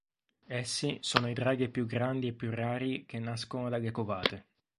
Essi sono i draghi più grandi e più rari che nascono dalle covate.